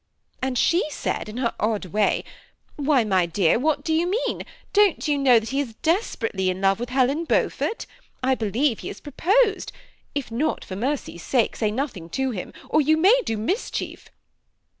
And she said, in her odd way, ^ Why, my dear, what do you mean ? Don't you know that he is desperately in love with Helen Beaufort ? I believe he has proposed ; if not, for mercy's sake say nothing to him, or you. may do mischief.'